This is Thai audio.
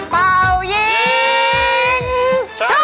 เป้ายิงชุบ